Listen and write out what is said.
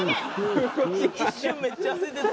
「一瞬めっちゃ焦ってた」